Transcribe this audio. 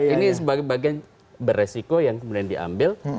ini sebagai bagian beresiko yang kemudian diambil